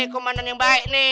komanan yang baik nih